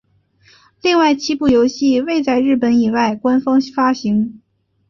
另外七部游戏未在日本以外官方发行。